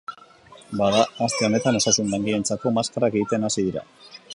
Bada, aste honetan osasun langileentzako maskarak egiten hasi dira.